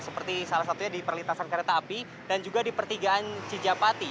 seperti salah satunya di perlintasan kereta api dan juga di pertigaan cijapati